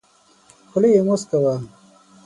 خوله یې موسکه وه .